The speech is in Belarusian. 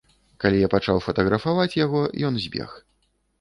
Калі я пачаў фатаграфаваць яго, ён збег.